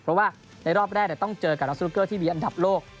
เพราะว่าในรอบแรกต้องเจอกับนักสนุกเกอร์ที่มีอันดับโลก